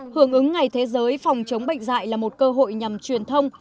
hưởng ứng ngày thế giới phòng chống bệnh dạy là một cơ hội nhằm truyền thông